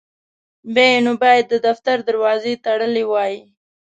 بیا یې نو باید د دفتر دروازې تړلي وای.